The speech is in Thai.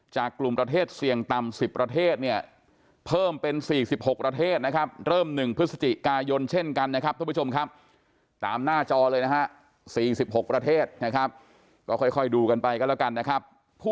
จากกลุ่มประเทศเสี่ยงตำสิบประเทศเนี่ยเพิ่มเป็นสี่สิบหกประเทศนะครับ